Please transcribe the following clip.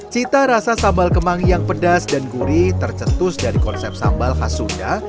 cita rasa sambal kemangi yang pedas dan gurih tercetus dari konsep sambal khas sunda